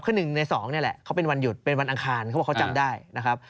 คือ๑ใน๒นี่แหละเขาเป็นวันหยุดเป็นวันอังคารเขาบอกเขาจำได้นะครับ